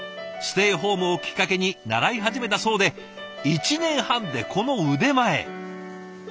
ステイホームをきっかけに習い始めたそうで１年半でこの腕前。